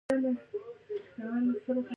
افغانستان له قومونه ډک دی.